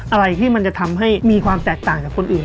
อะไรที่มันจะทำให้มีความแตกต่างจากคนอื่น